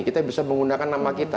kita bisa menggunakan nama kita